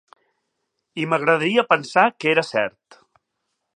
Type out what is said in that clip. I m"agradaria pensar que era cert!